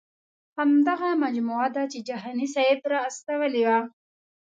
همدغه مجموعه ده چې جهاني صاحب را استولې وه.